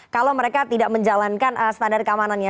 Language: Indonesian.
kalau mereka tidak menjalankan standar keamanannya